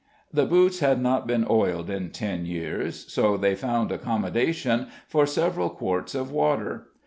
The boots had not been oiled in ten years, so they found accommodation for several quarts of water.